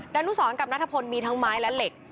ดานุสรกับนัทพลมีทั้งไม้และเหล็ก